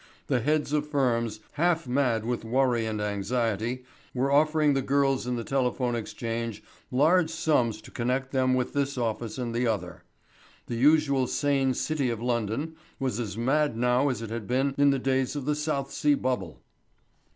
The heads of firms, half mad with worry and anxiety, were offering the girls in the telephone exchange large sums to connect them with this office and the other. The usually sane City of London was as mad now as it had been in the days of the South Sea Bubble.